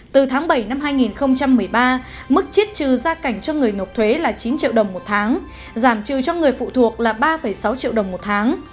từ tháng bảy năm hai nghìn một mươi ba mức chiết trừ gia cảnh cho người nộp thuế là chín triệu đồng một tháng giảm trừ cho người phụ thuộc là ba sáu triệu đồng một tháng